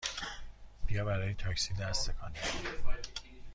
بیا برای تاکسی دست تکان دهیم!